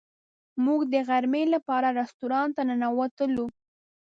موږ د غرمې لپاره رسټورانټ ته ننوتلو.